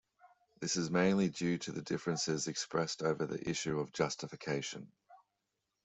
This is mainly due to the differences expressed over the issue of Justification.